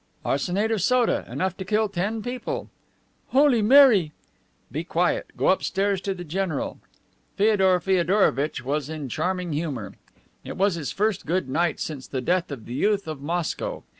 "Arsenate of soda, enough to kill ten people." "Holy Mary!" "Be quiet. Go upstairs to the general." Feodor Feodorovitch was in charming humor. It was his first good night since the death of the youth of Moscow.